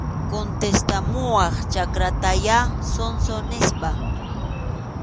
Contestamuwaq chakratayá, zonzo, nispa.